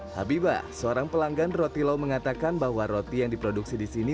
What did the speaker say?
habibah seorang pelanggan roti lau mengatakan bahwa roti yang diproduksi di sini